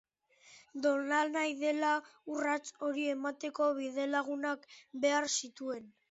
Nolanahi dela, urrats hori emateko, bidelagunak behar zituen.